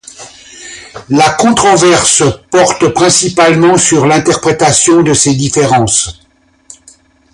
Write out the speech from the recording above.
La controverse porte principalement sur l'interprétation de ces différences.